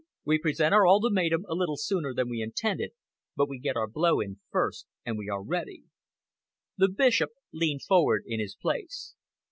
We present our ultimatum a little sooner than we intended, but we get our blow in first and we are ready." The Bishop leaned forward in his place.